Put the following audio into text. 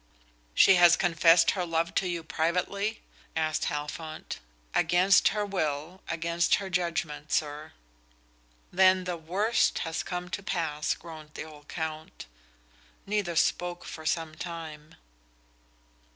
"She has confessed her love to you privately?" asked Halfont. "Against her will, against her judgment, sir." "Then the worst has come to pass," groaned the old Count. Neither spoke for some time.